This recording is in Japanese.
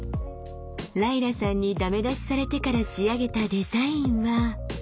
ライラさんにダメ出しされてから仕上げたデザインは。